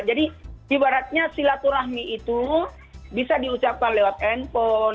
jadi ibaratnya silaturahmi itu bisa diucapkan lewat handphone